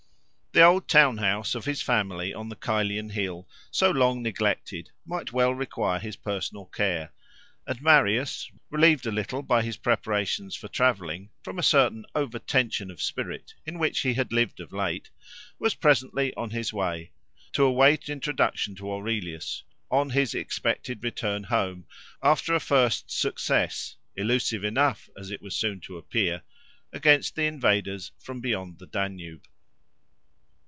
The old town house of his family on the Caelian hill, so long neglected, might well require his personal care; and Marius, relieved a little by his preparations for travelling from a certain over tension of spirit in which he had lived of late, was presently on his way, to await introduction to Aurelius, on his expected return home, after a first success, illusive enough as it was soon to appear, against the invaders from beyond the Danube.